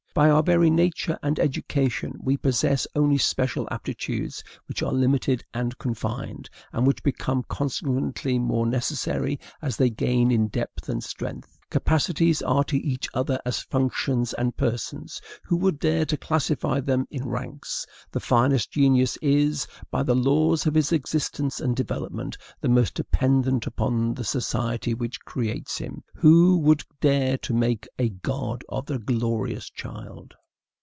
By our very nature and education, we possess only special aptitudes which are limited and confined, and which become consequently more necessary as they gain in depth and strength. Capacities are to each other as functions and persons; who would dare to classify them in ranks? The finest genius is, by the laws of his existence and development, the most dependent upon the society which creates him. Who would dare to make a god of the glorious child?